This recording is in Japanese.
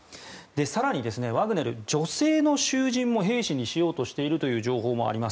更に、ワグネルは女性の囚人も兵士にしようとしているという情報もあります。